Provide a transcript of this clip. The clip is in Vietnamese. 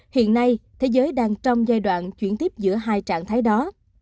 hiện nay thế giới đang trong giai đoạn chuyển tiếp giữa hai trạng thái đó